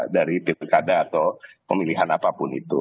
dari pilkada atau pemilihan apapun itu